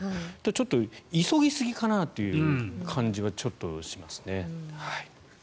ちょっと急ぎすぎかなという感じはちょっとしますね。